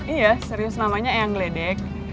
iya serius namanya eyang gledek